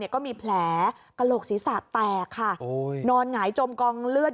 ก็มีแผลกระโหลกศีรษะแตกค่ะนอนหงายจมกองเลือด